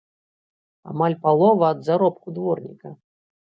Амаль палова ад заробку дворніка!